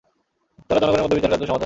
তারা জনগণের মধ্যে বিচারকার্য সমাধা করবেন।